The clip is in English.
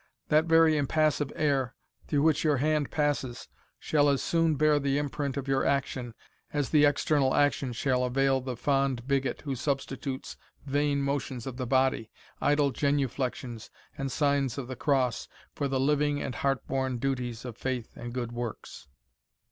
That very impassive air, through which your hand passes, shall as soon bear the imprint of your action, as the external action shall avail the fond bigot who substitutes vain motions of the body, idle genuflections, and signs of the cross, for the living and heart born duties of faith and good works."